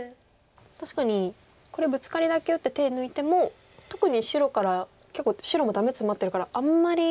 確かにこれブツカリだけ打って手抜いても特に白から結構白もダメツマってるからあんまり。